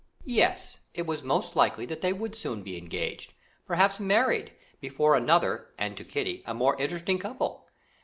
Yes, it was most likely that they would soon be engaged, perhaps married, before another, and to Kitty, a more interesting couple!